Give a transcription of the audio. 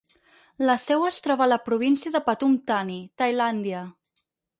La seu es troba a la província de Pathum Thani, Tailàndia.